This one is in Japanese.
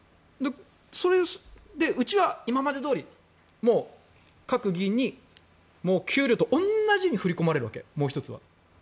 それでうちは今までどおり各議員に給料と同じように振り込まれるわけ、もう１つは。